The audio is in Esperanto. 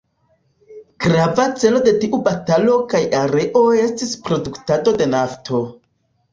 Grava celo de tiu batalo kaj areo estis produktado de nafto.